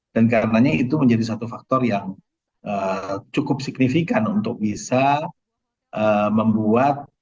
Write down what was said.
dan karenanya itu menjadi satu faktor yang cukup signifikan untuk bisa membuat